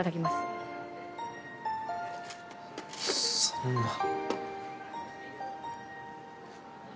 そんな。